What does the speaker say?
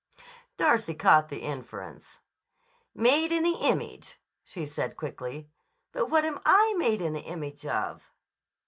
Darcy caught the inference. "Made in the image," she said quickly. "But what am I made in the image of!"